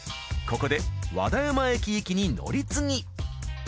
ここで和田山駅行きに乗り継ぎ。